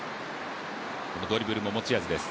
ドリブルが持ち味です。